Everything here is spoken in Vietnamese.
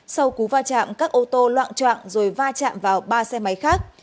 sau cú va chạm các ô tô loạn trọng rồi va chạm vào ba xe máy khác